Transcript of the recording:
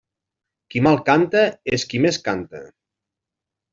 Qui mal canta és qui més canta.